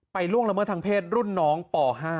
ล่วงละเมิดทางเพศรุ่นน้องป๕